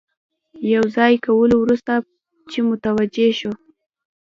د یو ځای کولو وروسته چې متوجه شو.